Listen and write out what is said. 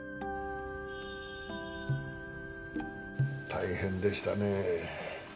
大変でしたね。